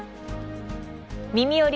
「みみより！